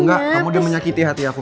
engga kamu udah menyakiti hati aku